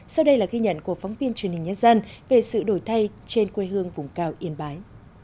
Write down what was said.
sau đây là ghi nhận của phóng viên truyền hình nhân dân về sự đổi thay trên quê hương vùng cao yên bái